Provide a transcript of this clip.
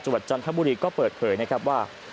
จังหวัดจันทบุรีก็เปิดเผยนะครับว่า